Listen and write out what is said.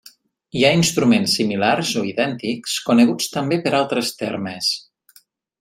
Hi ha instruments similars o idèntics coneguts també per altres termes.